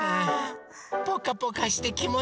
ポカポカしてきもちいいよね！